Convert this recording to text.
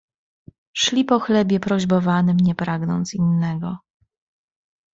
Szli po chlebie prośbowanym, nie pragnąc innego.